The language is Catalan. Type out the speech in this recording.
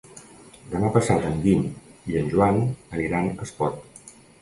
Demà passat en Guim i en Joan aniran a Espot.